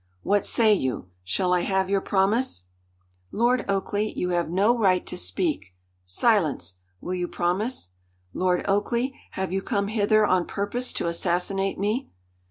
What say you? Shall I have your promise?" "Lord Oakleigh, you have no right to speak " "Silence! Will you promise?" "Lord Oakleigh, have you come hither on purpose to assassinate me?"